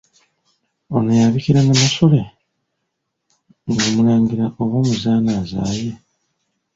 Ono y'abikira Nnamasole ng'omulangira oba omuzaana azaaye?